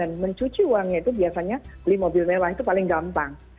dan mencuci uangnya itu biasanya beli mobil mewah itu paling gampang